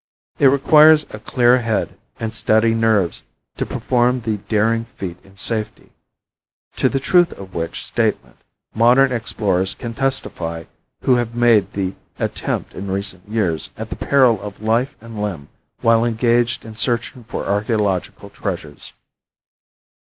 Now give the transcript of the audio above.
It requires a clear head and steady nerves to perform the daring feat in safety to the truth of which statement modern explorers can testify who have made the attempt in recent years at the peril of life and limb while engaged in searching for archaeological treasures.